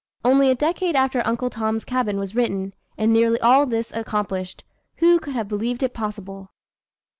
Only a decade after Uncle Tom's Cabin was written, and nearly all this accomplished! Who could have believed it possible?